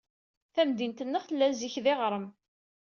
Tamdint-nneɣ tella zik d iɣrem.